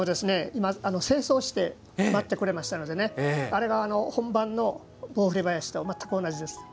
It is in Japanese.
正装をして舞ってくれましたのであれが本番の「棒振り囃子」と全く同じです。